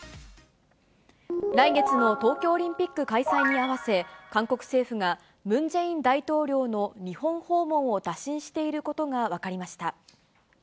来月の東京オリンピック開催に合わせ、韓国政府が、ムン・ジェイン大統領の日本訪問を打診していることが分かりました。